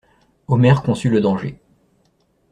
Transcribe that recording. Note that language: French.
Omer conçut le danger.